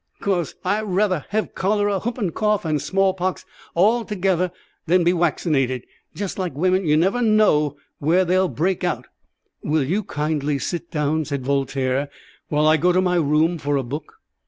"'Cause I'd rather hev cholera, hoopin' cough, and small pox all together than be waccinated. Jes like women, you never know where they'll break out." "Will you kindly sit down," said Voltaire, "while I go to my room for a book?"